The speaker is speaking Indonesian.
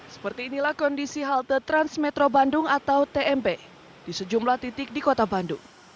seperti inilah kondisi halte transmetro bandung atau tmp di sejumlah titik di kota bandung